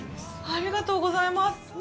ありがとうございます。